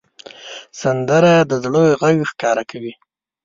سندره د زړه غږ ښکاره کوي